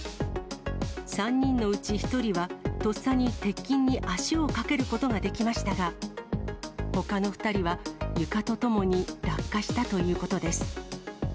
３人のうち１人は、とっさに鉄筋に足をかけることができましたが、ほかの２人は、床とともに落下したということです。